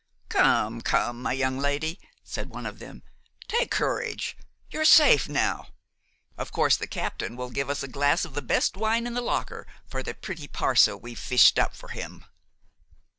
"Come, come, my young lady," said one of them, "take courage, you're safe now; of course the captain will give us a glass of the best wine in the locker for the pretty parcel we've fished up for him."